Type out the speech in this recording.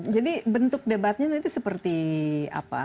jadi bentuk debatnya nanti seperti apa